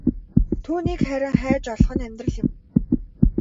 Түүнийг харин хайж олох нь амьдрал юм.